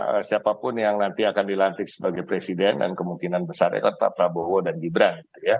ada siapapun yang nanti akan dilantik sebagai presiden dan kemungkinan besar akan pak prabowo dan gibran